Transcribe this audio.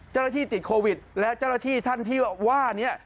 เจ้าหน้าที่ติดโควิดและเจ้าหน้าที่ท่านที่ว่านี้